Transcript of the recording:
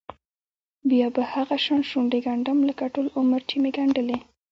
بیا به هغه شان شونډې ګنډم لکه ټول عمر چې مې ګنډلې.